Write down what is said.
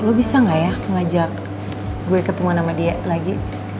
lo bisa gak ya ngajak gue ketemu sama dia lagi